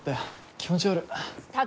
気持ち悪っ。